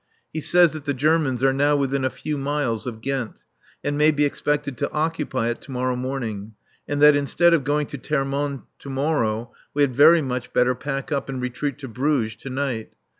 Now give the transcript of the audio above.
He says that the Germans are now within a few miles of Ghent, and may be expected to occupy it to morrow morning, and that instead of going to Termonde to morrow we had very much better pack up and retreat to Bruges to night.